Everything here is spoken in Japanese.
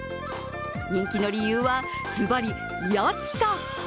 人気の理由はズバリ、安さ。